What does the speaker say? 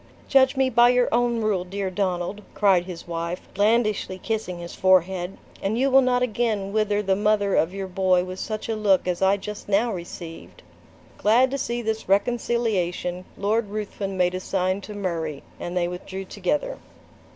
"Judge me by your own rule, dear Donald," cried his wife, blandishly kissing his forehead, "and you will not again wither the mother of your boy with such a look as I just now received!" Glad to see this reconciliation, Lord Ruthven made a sign to Murray, and they withdrew together.